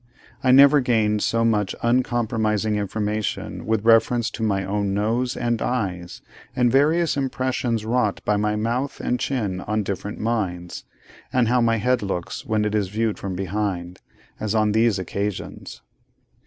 I never gained so much uncompromising information with reference to my own nose and eyes, and various impressions wrought by my mouth and chin on different minds, and how my head looks when it is viewed from behind, as on these occasions.